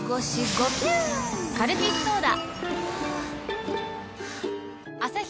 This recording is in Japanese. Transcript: カルピスソーダ！